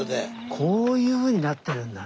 こういうふうになってるんだね。